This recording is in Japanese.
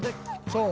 そう。